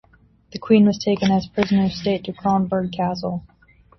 The queen was taken as prisoner of state to Kronborg Castle.